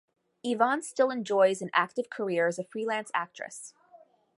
Yvonne still enjoys an active career as a freelance actress.